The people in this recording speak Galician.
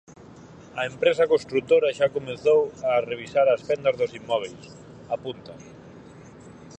A empresa construtora xa comezou a revisar as fendas dos inmóbeis, apunta.